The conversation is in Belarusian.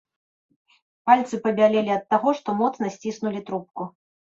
Пальцы пабялелі ад таго, што моцна сціснулі трубку.